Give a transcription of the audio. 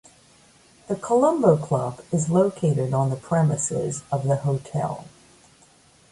The Colombo Club is located on the premises of the hotel.